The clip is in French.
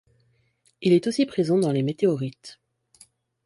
Il est aussi présent dans les météorites.